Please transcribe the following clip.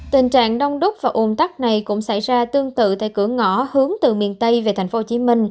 tình trạng đông đúc và ồn tắc này cũng xảy ra tương tự tại cửa ngõ hướng từ miền tây về tp hcm